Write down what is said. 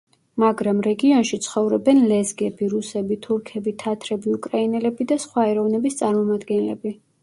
მაგრამ რეგიონში ცხოვრობენ ლეზგები, რუსები, თურქები, თათრები, უკრაინელები და სხვა ეროვნების წარმომადგენლები.